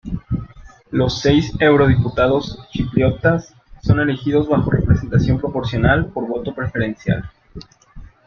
Los seis eurodiputados chipriotas son elegidos bajo representación proporcional por voto preferencial.